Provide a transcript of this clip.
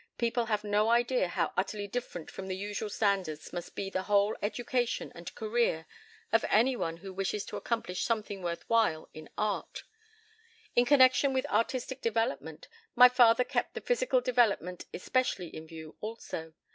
People have no idea how utterly different from the usual standards must be the whole education and career of any one who wishes to accomplish something worth while in art. In connection with artistic development, my father kept the physical development especially in view also.